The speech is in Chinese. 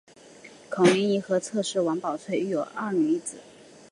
孔令贻和侧室王宝翠育有二女一子。